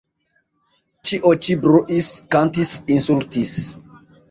Ĉio ĉi bruis, kantis, insultis.